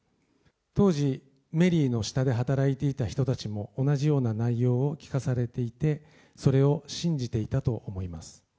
当時、メリーの下で働いていた人たちも、同じような内容を聞かされていて、それを信じていたと思います。